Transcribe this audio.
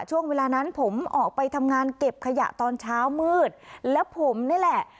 ช่วงเวลานั้นผมออกไปทำงานเก็บขยะตอนเช้ามืดแล้วผมนี่แหละ